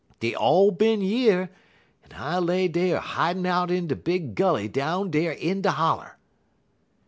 Dey er all bin yer, en I lay dey er hidin' out in de big gully down dar in de holler.'